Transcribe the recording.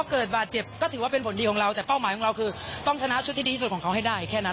เกิดบาดเจ็บก็ถือว่าเป็นผลดีของเราแต่เป้าหมายของเราคือต้องชนะชุดที่ดีสุดของเขาให้ได้แค่นั้น